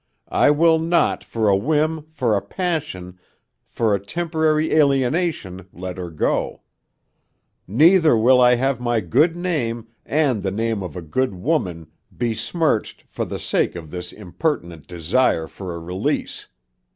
I will not for a whim, for a passion, for a temporary alienation, let her go. Neither will I have my good name and the name of a good woman besmirched for the sake of this impertinent desire for a release.